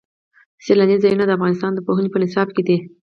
سیلاني ځایونه د افغانستان د پوهنې په نصاب کې دي.